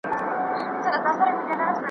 له هسکه به تر کله د رحمت کوی خواستونه .